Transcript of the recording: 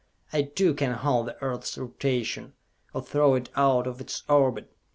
I, too, can halt the Earth's rotation, or throw it out of its orbit!